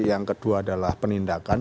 yang kedua adalah penindakan